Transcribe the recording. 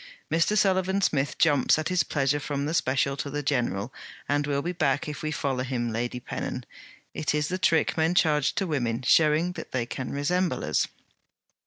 'Mr. Sullivan Smith jumps at his pleasure from the special to the general, and will be back, if we follow him, Lady Pennon. It is the trick men charge to women, showing that they can resemble us.'